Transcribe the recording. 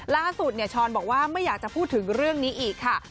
ล่าสุดช้อนบอกว่าไม่อยากจะพูดถึงเรื่องนี้อีกค่ะ